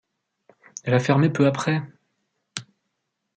Elle a fermé peu après.